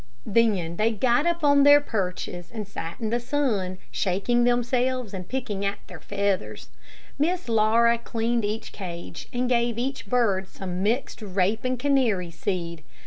Then they got up on their perches and sat in the sun, shaking themselves and picking at their feathers. Miss Laura cleaned each cage, and gave each bird some mixed rape and canary seed.